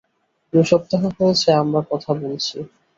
দু সপ্তাহ হয়েছে আমরা কথা বলছি।